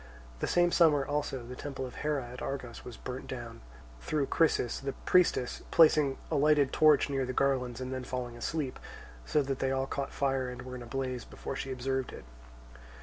The same summer also the temple of Hera at Argos was burnt down, through Chrysis, the priestess, placing a lighted torch near the garlands and then falling asleep, so that they all caught fire and were in a blaze before she observed it.